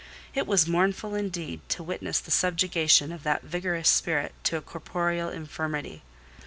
It was mournful, indeed, to witness the subjugation of that vigorous spirit to a corporeal infirmity.